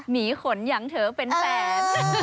มีขนอย่างเธอเป็นแสน